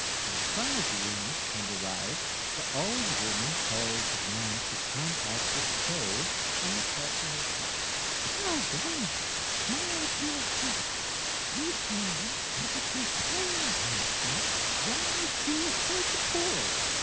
When the South wind had arrived, the old woman told the man to come off the stove, and said to her son— "South wind, my dear son, this man has a complaint against you. Why do you hurt the poor?